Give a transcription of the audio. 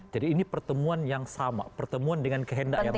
jadi ini pertemuan yang sama pertemuan dengan kehendak yang sama